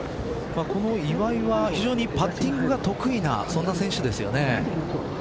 この岩井は非常にパッティングが得意な選手ですよね。